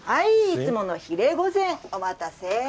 いつものひれ御前お待たせ。